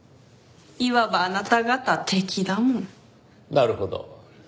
なるほど。